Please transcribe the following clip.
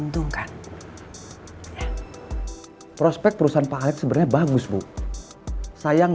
tapi sengaja lo tahan tahan